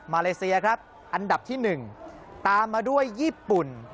เลเซียครับอันดับที่๑ตามมาด้วยญี่ปุ่น